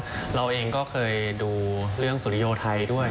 เราเองก็เคยดูเรื่องสุริโยไทยด้วย